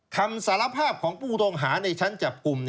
คำสารภาพของผู้ต้องหาในชั้นจับกลุ่ม